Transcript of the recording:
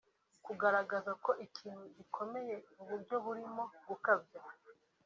kugaragaza ko ikintu gikomeye mu buryo burimo gukabya